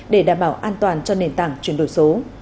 để đảm bảo an toàn cho nền tảng chuyển đổi số